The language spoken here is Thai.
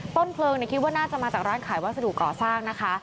ต้นเพลิงคิดว่าน่าจะมาจากร้านขายวัสดุก่อสร้างนะคะ